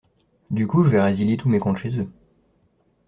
Du coup, je vais résilier tous mes comptes chez eux.